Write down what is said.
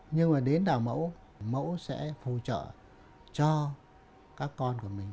nhưng mà đến đạo mẫu mẫu sẽ phụ trợ cho con người